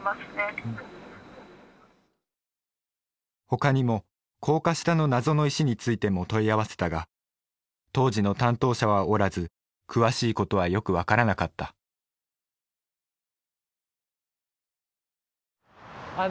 他にも高架下の謎の石についても問い合わせたが当時の担当者はおらず詳しいことはよく分からなかったあ